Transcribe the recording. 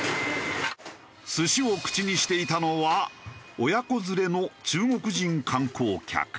寿司を口にしていたのは親子連れの中国人観光客。